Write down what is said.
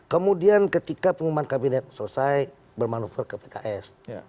kemudian ketika pengumuman kabinet selesai bermanuver ke pks